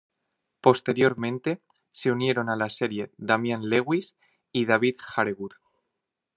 Posteriormente, se unieron a la serie Damian Lewis y David Harewood.